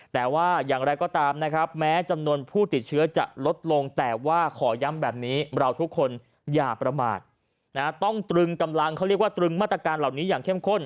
แต่ว่าอย่างไรก็ตามนะครับแม้จำนวนผู้ติดเชื้อจะลดลงแต่ว่าขอย้ำแบบนี้เราทุกคนอย่าประมาทต้องตรึงกำลังเขาเรียกว่าตรึงมาตรการเหล่านี้อย่างเข้มข้น